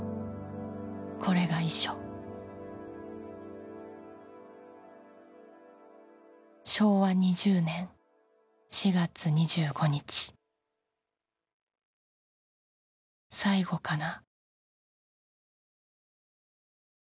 「これが遺書」「昭和２０年４月２５日」「最後かな」